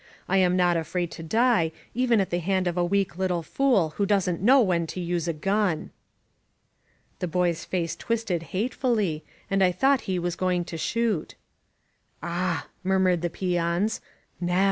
I am not afraid to die, even at the hand of « weak little fool who doesn't know when to use a gun!" The boy's face twisted hatefully, and I thought he was going to shoot, "Ah!" murmured the peons. "Now!